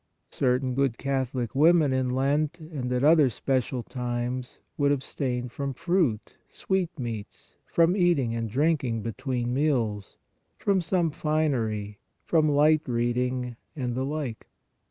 Certain good Catholic women in Lent and at other special times would abstain from fruit, sweetmeats, from eating and drinking between meals, from some finery, from light reading and the like.